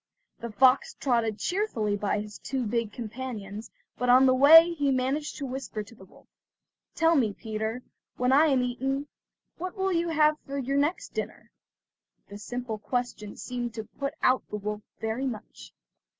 The fox trotted cheerfully by his two big companions, but on the way he managed to whisper to the wolf: "Tell me, Peter, when I am eaten, what will you have for your next dinner?" This simple question seemed to put out the wolf very much.